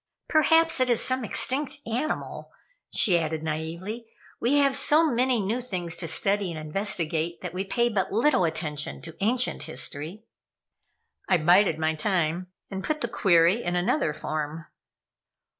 "Perhaps it is some extinct animal," she added, naively. "We have so many new things to study and investigate, that we pay but little attention to ancient history." I bided my time and put the query in another form.